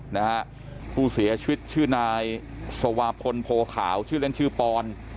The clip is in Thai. นะฮะผู้เสียชีวิตชื่อนายสวาพลโพขาวชื่อเล่นชื่อปอน